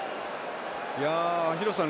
廣瀬さん